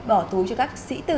bỏ túi cho các sĩ tử